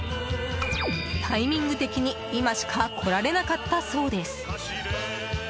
タイミング的に今しか来られなかったそうです。